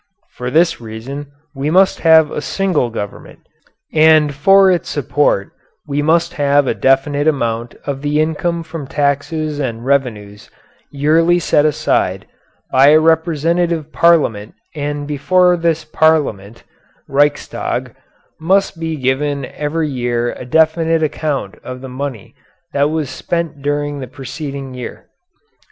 For this reason we must have a single government, and for its support we must have a definite amount of the income from taxes and revenues yearly set aside by a representative parliament and before this parliament (reichstag) must be given every year a definite account of the money that was spent during the preceding year."